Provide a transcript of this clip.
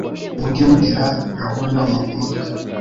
muge mugira gahunda mu mutwe